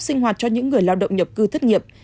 sinh hoạt cho những người lao động nhập cư thất nghiệp